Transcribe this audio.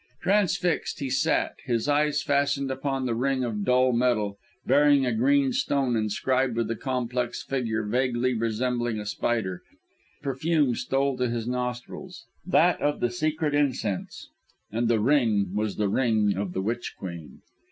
Transfixed he sat, his eyes fastened upon the ring of dull metal, bearing a green stone inscribed with a complex figure vaguely resembling a spider, which adorned the index finger. A faint perfume stole to his nostrils that of the secret incense; and the ring was the ring of the Witch Queen!